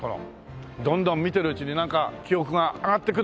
どんどん見てるうちになんか記憶が上がってくる感じがするでしょ？